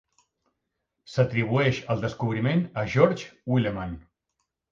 S'atribueix el descobriment a George Willeman.